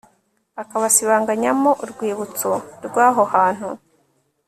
akabasibanganyamo urwibutso rw'aho hantu